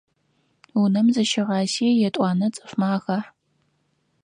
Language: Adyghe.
Унэм зыщыгъасе етӏуанэ цӏыфмэ ахахь.